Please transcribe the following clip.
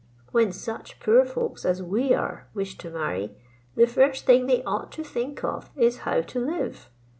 When such poor folks as we are wish to marry, the first thing they ought to think of, is how to live.